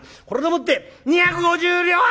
これでもって２５０両！」。